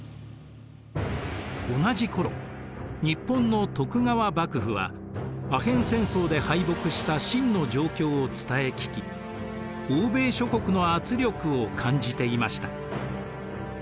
同じ頃日本の徳川幕府はアヘン戦争で敗北した清の状況を伝え聞き欧米諸国の圧力を感じていました。